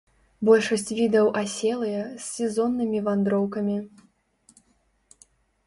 Большасць відаў аселыя, з сезоннымі вандроўкамі.